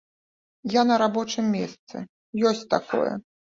Я на рабочым месцы, ёсць такое.